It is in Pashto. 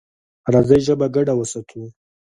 راځئ ژبه ګډه وساتو.